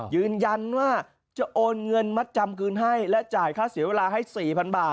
ยืนยันว่าจะโอนเงินมัดจำคืนให้และจ่ายค่าเสียเวลาให้๔๐๐๐บาท